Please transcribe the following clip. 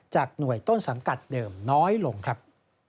หน่วยต้นสังกัดเดิมน้อยลงครับ